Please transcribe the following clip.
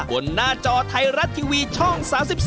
หน้าจอไทยรัฐทีวีช่อง๓๒